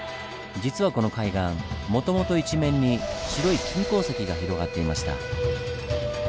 実はこの海岸もともと一面に白い金鉱石が広がっていました。